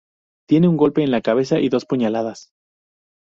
Tiene un golpe en la cabeza y dos puñaladas.